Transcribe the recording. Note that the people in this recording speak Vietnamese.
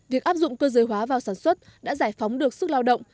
việc áp dụng cơ giới hóa vào sản xuất đã giải phóng được sức lao động